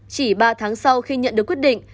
chỉ ba tháng sau khi nhận được quyết định